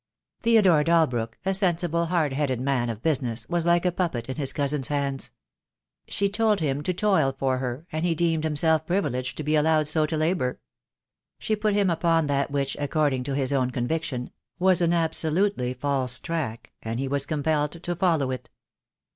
Theodore Dalbrook, a sensible, hard headed man of business, was like a puppet in his cousin's hands. She told him to toil for her, and he deemed himself privileged to be allowed so to labour. She put him. upon that which, according to his own conviction, was an absolutely false track, and he was compelled to follow it.